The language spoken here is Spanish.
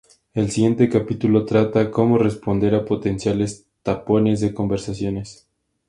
El siguiente capítulo trata cómo responder a potenciales tapones de conversación.